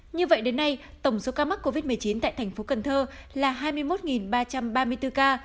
như vậy đến nay tổng số ca mắc covid một mươi chín tại thành phố cần thơ là hai mươi một ba trăm ba mươi bốn ca